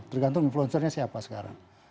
tergantung influencernya siapa sekarang